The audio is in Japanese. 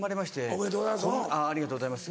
おめでとうございます。